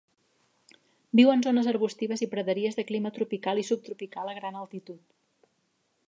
Viu en zones arbustives i praderies de clima tropical i subtropical a gran altitud.